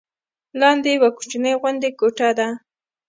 لاندې یوه کوچنۍ غوندې کوټه ده.